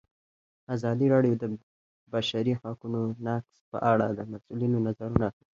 ازادي راډیو د د بشري حقونو نقض په اړه د مسؤلینو نظرونه اخیستي.